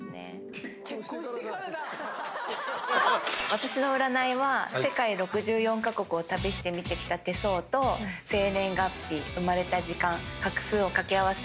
私の占いは世界６４カ国を旅して見てきた手相と生年月日生まれた時間画数を掛け合わせて見ています。